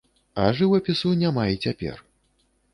А жывапісу няма і цяпер.